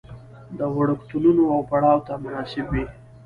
د وړکتونونو او پړاو ته مناسب وي.